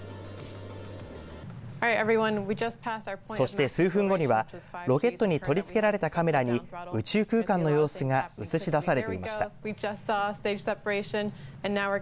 そして数分後にはロケットに取り付けられたカメラに宇宙空間の様子が映し出されていました。